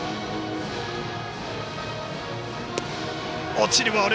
落ちるボール！